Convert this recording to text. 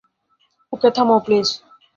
ওকে, থামাও প্লিজ।